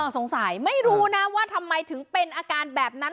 สงสัยไม่รู้นะว่าทำไมถึงเป็นอาการแบบนั้น